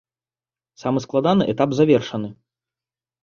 Самы складаны этап завершаны.